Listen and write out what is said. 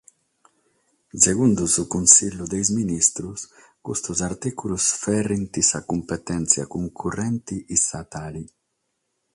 Segundu su Consìgiu de sos ministros, custos artìculos “ferrent sa cumpetèntzia cuncurrente istatale”.